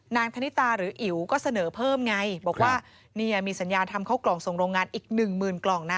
ธนิตาหรืออิ๋วก็เสนอเพิ่มไงบอกว่าเนี่ยมีสัญญาทำเข้ากล่องส่งโรงงานอีกหนึ่งหมื่นกล่องนะ